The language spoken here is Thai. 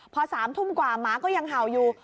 พอ๓ทุ่มกว่าหมาก็ยังเห่าอยู่